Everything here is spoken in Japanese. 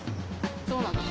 そうなんだ。